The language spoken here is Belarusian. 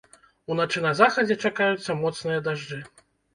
Уначы на захадзе чакаюцца моцныя дажджы.